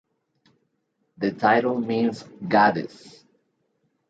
The title means "Goddess".